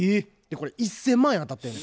これ１，０００万円当たってんねん。